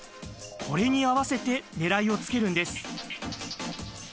これに合わせて狙いをつけるんです。